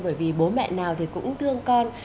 bởi vì bố mẹ nào cũng thương con